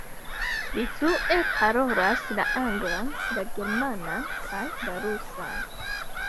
Li flue parolas la anglan, la germanan kaj la rusan.